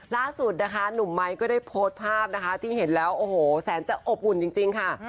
ล่าสุดนะคะหนุ่มไม้ก็ได้โพสต์ภาพนะคะที่เห็นแล้วโอ้โหแสนจะอบอุ่นจริงค่ะ